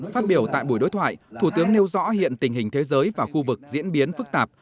phát biểu tại buổi đối thoại thủ tướng nêu rõ hiện tình hình thế giới và khu vực diễn biến phức tạp